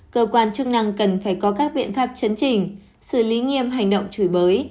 cơ quan chức năng cần phải có các biện pháp chấn chỉnh xử lý nghiêm hành động chửi bới